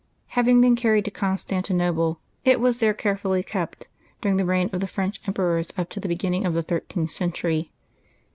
Having been carried to Constantinople, it was there carefully kept, during the reign of the French emperors, up to the beginning of the thirteenth century.